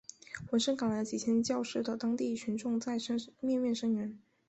闻声赶来的几千教师的当地群众在面面声援。